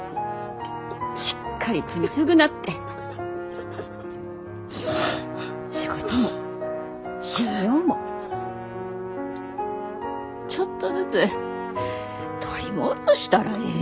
しっかり罪償って仕事も信用もちょっとずつ取り戻したらええね。